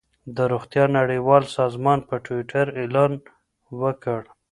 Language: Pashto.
د روغتیا نړیوال سازمان په ټویټر اعلان وکړ.